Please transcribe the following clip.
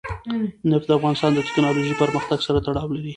نفت د افغانستان د تکنالوژۍ پرمختګ سره تړاو لري.